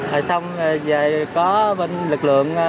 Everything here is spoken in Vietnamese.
rồi xong rồi về có bên lực lượng